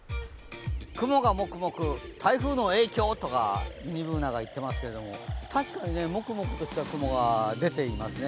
雲かもくもく、台風の影響とミニＢｏｏｎａが言ってますけれども確かにもくもくとした雲が出ていますね。